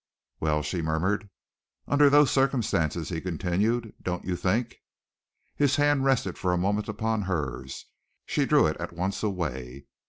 "Well?" she murmured. "Under those circumstances," he continued, "don't you think " His hand rested for a moment upon hers. She drew it at once away.